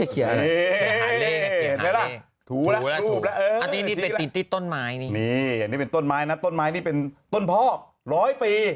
อันนี้เป็นติดต้นไม้นี่อันนี้เป็นต้นมายนะต้นมายนี่เป็นต้นพอก๑๐๐ปี